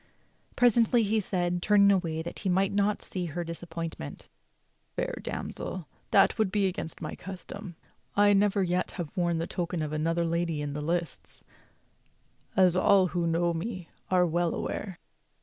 Presently he said, turning away that he might not see her disappointment: "Fair damsel, that would be against my custom. I never yet have worn the token of any lady in the lists, as all who know me are well aware."